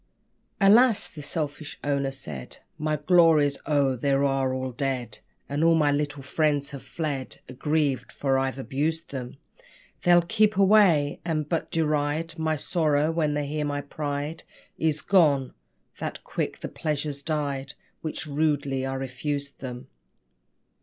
"Alas!" the selfish owner said, "My Glories oh! they all are dead! And all my little friends have fled Aggrieved! for I've abused them. They'll keep away, and but deride My sorrow, when they hear my pride Is gone; that quick the pleasures died Which rudely I refused them!"